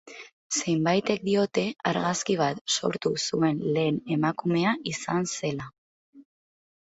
Zenbaitek diote argazki bat sortu zuen lehen emakumea izan zela.